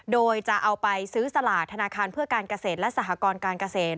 โดยจะเอาไปซื้อสลากธนาคารเพื่อการเกษตรและสหกรการเกษตร